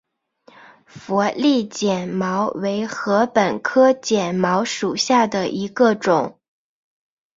佛利碱茅为禾本科碱茅属下的一个种。